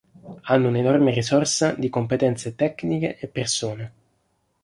Hanno un enorme risorsa di competenze tecniche e persone.